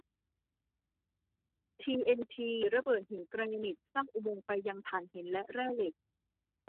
ทีเอ็นทีระเบิดหินแกรนิตสร้างอุโมงค์ไปยังถ่านหินและแร่เหล็ก